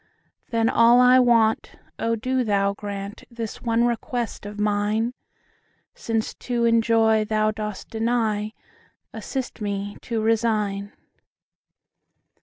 Then all I want—O do Thou grantThis one request of mine!—Since to enjoy Thou dost deny, Assist me to resign.